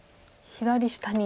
左下に。